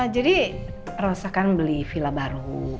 jadi rosa kan beli villa baru